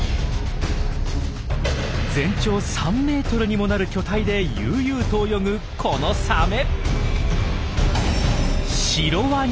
全長３メートルにもなる巨体で悠々と泳ぐこのサメ。